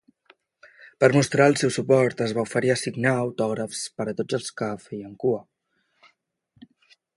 Per mostrar el seu suport, es va oferir a signar autògrafs per a tots els que feien cua.